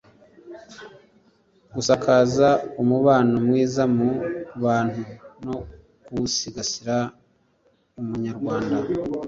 gusakaza umubano mwiza mu bantu no kuwusigasira. umunyarwanda